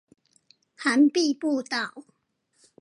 涵碧步道